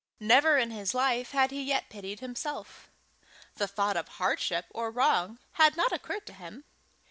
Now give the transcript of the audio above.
Never in his life had he yet pitied himself. The thought of hardship or wrong had not occurred to him.